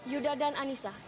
yuda dan anissa